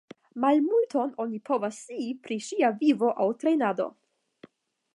Malmulton oni povas scii pri ŝia vivo aŭ trejnado.